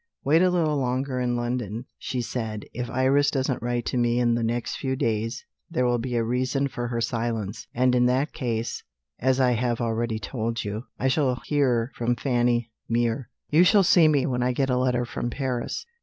"Wait a little longer in London," she said. "If Iris doesn't write to me in the next few days there will be a reason for her silence; and in that case (as I have already told you) I shall hear from Fanny Mere. You shall see me when I get a letter from Paris."